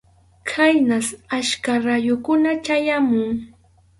Khaynas achka rayukuna chayamun.